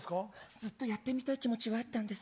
ずっとやってみたい気持ちはあったんです。